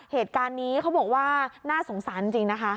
เหตุการณ์นี้เขาบอกว่าน่าสงสารจริงนะคะ